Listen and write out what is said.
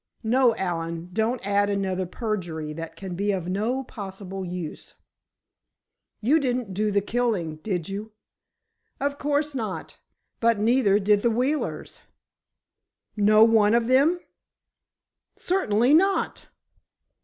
No, Allen, don't add another perjury that can be of no possible use. You didn't do the killing, did you?" "Of course not! But neither did the Wheelers!" "No one of them?" "Certainly not."